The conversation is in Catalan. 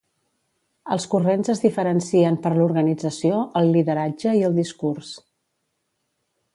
Els corrents es diferencien per l'organització, el lideratge i el discurs.